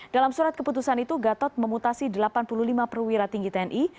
dalam surat keputusan itu gatot memutasi delapan puluh lima perwira tinggi tni